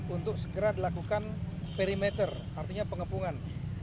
untuk segera dilakukan perimeter artinya pengepungan